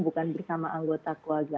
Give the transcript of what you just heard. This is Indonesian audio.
bukan bersama anggota keluarga